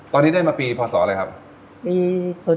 ตอนนี้ได้มาปีพศอะไรครับปี๒๐๐๙